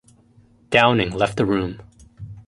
Downing left the room.